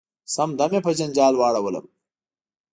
سم دم یې په جنجال واړولم .